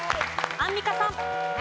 アンミカさん。